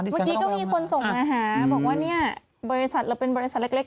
เมื่อกี้ก็มีคนส่งอาหารบอกว่าเราเป็นบริษัทเล็ก